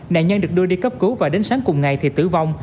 nạn nhân được đưa đi cấp cứu và đến sáng cùng ngày thì tử vong